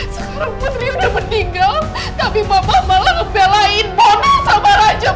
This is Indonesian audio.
sekarang putri udah meninggal tapi mama malah ngebelain pona sama raja